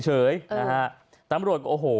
เฉยนะฮะตำรวจก็โอ้โห